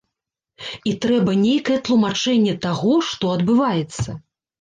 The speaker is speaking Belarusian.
І трэба нейкае тлумачэнне таго, што адбываецца.